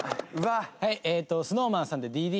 はいえっとＳｎｏｗＭａｎさんで『Ｄ．Ｄ．』。